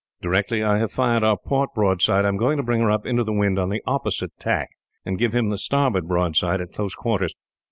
Directly I have fired our port broadside, I am going to bring her up into the wind on the opposite tack, and give him the starboard broadside at close quarters.